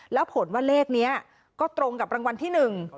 แล้วผลว่าเลขนี้ก็ตรงกับรางวัลที่หนึ่ง